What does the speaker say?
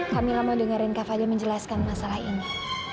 kamila mau dengerin kafadil menjelaskan masalah ini